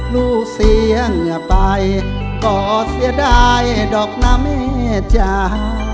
ลูกเสียเหงื่อไปก็เสียดายหรอกนะแม่จ้า